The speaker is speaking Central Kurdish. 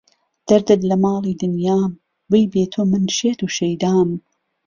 دهردت له ماڵی دنیام وهی بێ تۆ من شێت و شهیدام